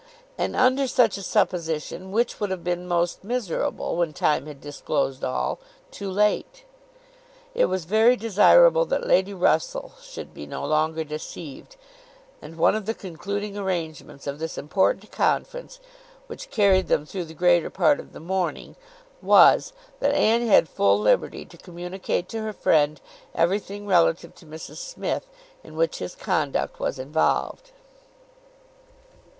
And under such a supposition, which would have been most miserable, when time had disclosed all, too late? It was very desirable that Lady Russell should be no longer deceived; and one of the concluding arrangements of this important conference, which carried them through the greater part of the morning, was, that Anne had full liberty to communicate to her friend everything relative to Mrs Smith, in which his conduct was involved.